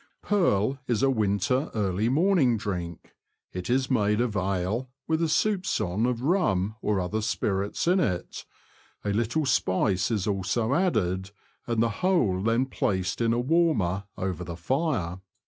Purl is a winter early morning drink. It is made of ale, with a soupgon of rum or other spirits in it ; a little spice is also added, and the whole then placed in a warmer over the fire.